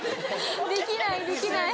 できないできない。